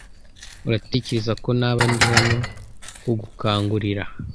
uratekereza ko naba ndi hano kugukangurira?